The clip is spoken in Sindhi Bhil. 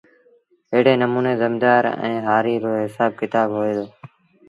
ايڙي نموٚني زميݩدآر ائيٚݩ هآريٚ رو هسآب ڪتآب هوئي دو